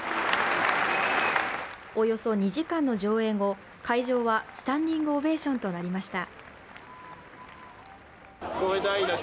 およそ２時間の上映後、会場はスタンディングオベーションとなりました。